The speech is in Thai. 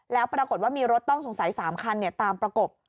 แล้วปรากฏว่ามีรถต้องสงสัย๓คันตามประกบ